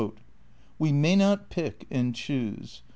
"We may not pick and choose.